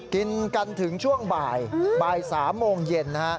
กินกันถึงช่วงบ่ายบ่าย๓โมงเย็นนะฮะ